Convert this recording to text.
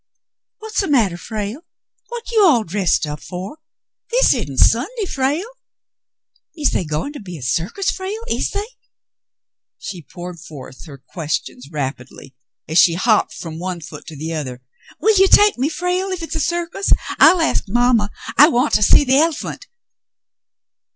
"What's the matter, Frale? What you all dressed up for ? This isn't Sunday, Frale. Is they going to be a circus, Frale, is they .f^" She poured forth her questions rapidly, as she hopped from one foot to the other. *'Will you take me, Frale, if it's a circus ? I'll ask mamma. I want to see the el'phant."